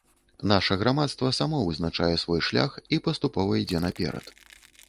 Наша грамадства само вызначае свой шлях і паступова ідзе наперад.